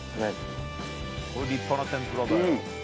立派な天ぷらだよ。